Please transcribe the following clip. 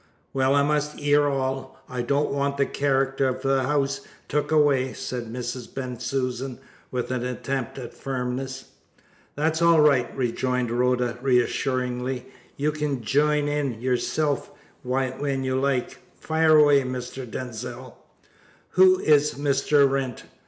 "Well, I must 'ear all. I don't want the character of the 'ouse took away," said Mrs. Bensusan, with an attempt at firmness. "That's all right," rejoined Rhoda reassuringly, "you can jine in yerself when y' like. Fire away, Mr. Denzil." "Who is Mr. Wrent?"